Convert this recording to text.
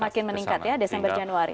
makin meningkat ya desember januari